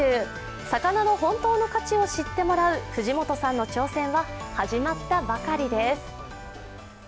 魚の本当の価値を知ってもらう藤本さんの挑戦は始まったばかりです。